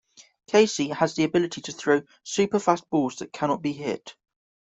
Casey has the ability to throw super-fast balls that cannot be hit.